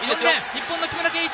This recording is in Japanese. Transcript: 日本の木村敬一！